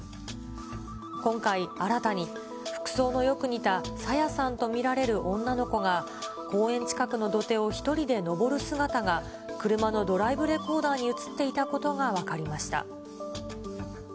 今回新たに、服装のよく似た朝芽さんと見られる女の子が、公園近くの土手を１人で上る姿が、車のドライブレコーダーに写っていたことが分かりました。